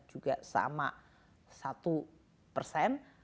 juga sama satu persen